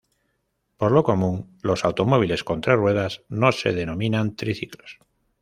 Por lo común los automóviles con tres ruedas no se denominan triciclos.